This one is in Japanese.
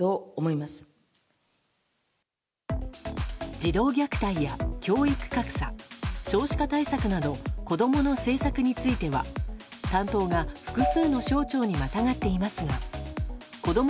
児童虐待や教育格差少子化対策など子供の政策については担当が複数の省庁にまたがっていますがこども